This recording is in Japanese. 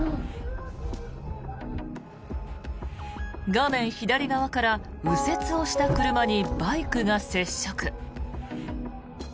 画面左側から右折をした車にバイクが接触。